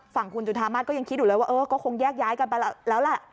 ฝั่งคุณจุธามาศก็ยังคิดอยู่เลยว่าเออก็คงแยกย้ายกันไปแล้วแหละ